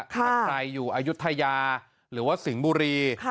ถ้าใครอยู่อายุทยาหรือว่าสิงห์บุรี